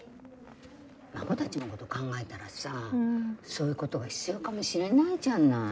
孫たちのこと考えたらさ、そういうことが必要かもしれないじゃない。